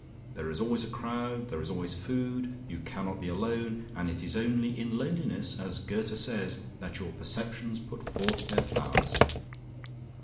There is always a crowd, there is always food, you cannot be alone, and it is only in loneliness, as Goethe says, that your perceptions put forth their flowers.